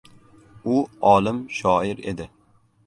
U olim shoir edi.